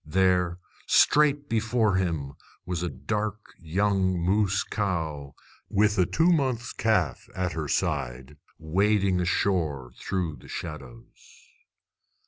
There, straight before him, was a dark young moose cow, with a two months calf at her side, wading ashore through the shadows.